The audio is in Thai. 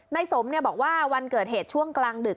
นายสมบอกว่าวันเกิดเหตุช่วงกลางดึก